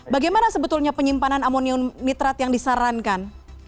bagaimana sebetulnya penyimpanan amonium nitrat yang disarankan